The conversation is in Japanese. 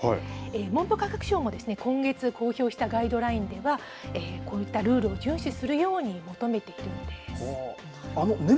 文部科学省も、今月公表したガイドラインでは、こういったルールを順守するように求めているんです。